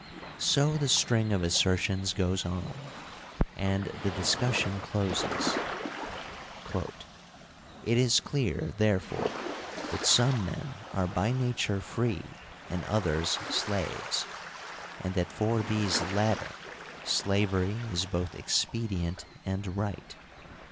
So the string of assertions goes on, and the discussion closes : It is clear, therefore, that some men are by nature free and others slaves, and that for these latter slavery is both expedient and right.